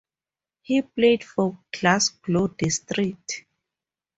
He played for Glasgow District.